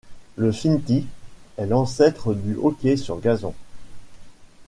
Le shinty est l'ancêtre du hockey sur gazon.